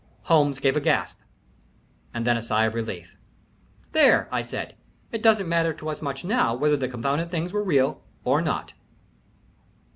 Holmes gave a gasp and then a sigh of relief. "There," I said. "It doesn't matter much to us now whether the confounded things were real or not."